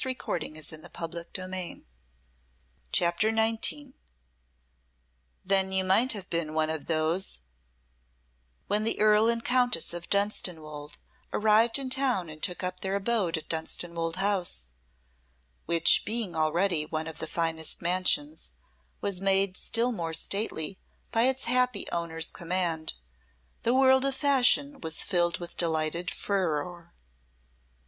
The morning air has but just awaked me." CHAPTER XIX "_Then you might have been one of those _" When the Earl and Countess of Dunstanwolde arrived in town and took up their abode at Dunstanwolde House, which being already one of the finest mansions, was made still more stately by its happy owner's command, the world of fashion was filled with delighted furore.